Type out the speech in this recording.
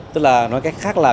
tức là nói cách khác là